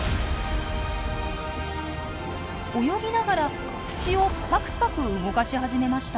泳ぎながら口をパクパク動かし始めました。